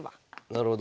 なるほど。